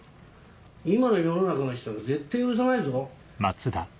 今の世の中の人が絶対許さないぞ。